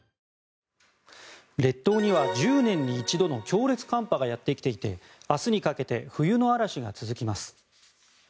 列島には１０年に一度の強烈寒波がやってきていて明日にかけて冬の嵐が続きます。